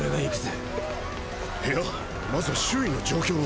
んっいやまずは周囲の状況を。